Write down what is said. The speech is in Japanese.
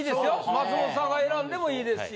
松本さんが選んでもいいですし。